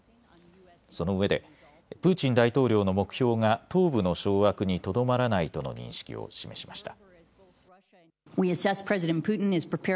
そのうえでプーチン大統領の目標が東部の掌握にとどまらないとの認識を示しました。